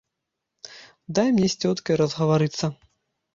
Дай мне з цёткай разгаварыцца.